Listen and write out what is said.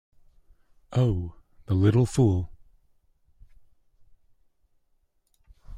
Oh, the little fool!